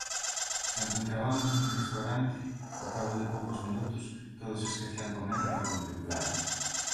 Cando entrabamos nun restaurante, ó cabo de poucos minutos, todos esquecían comer para contemplala.